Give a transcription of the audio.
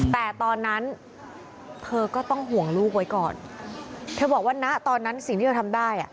แต่ตอนนั้นเธอก็ต้องห่วงลูกไว้ก่อนเธอบอกว่าณตอนนั้นสิ่งที่เธอทำได้อ่ะ